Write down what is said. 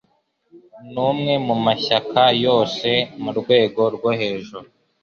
Ni umwe mu mashyaka yose yo mu rwego rwo hejuru.